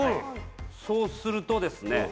そうするとですね。